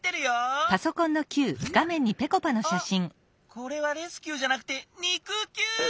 これはレスキューじゃなくて肉きゅう！